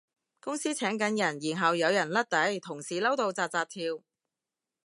公司請緊人然後有人甩底，同事嬲到紮紮跳